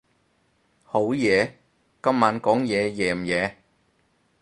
好夜？今晚講嘢夜唔夜？